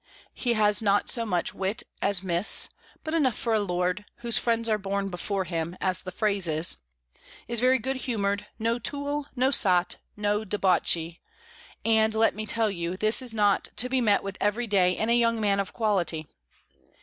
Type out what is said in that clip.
He has not so much wit as Miss, but enough for a lord, whose friends are born before him, as the phrase is; is very good humoured, no tool, no sot, no debauchee: and, let me tell you, this is not to be met with every day in a young man of quality.